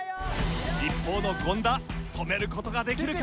一方の権田止める事ができるか？